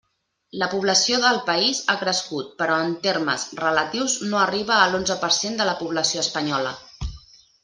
La població del País ha crescut però en termes relatius no arriba a l'onze per cent de la població espanyola.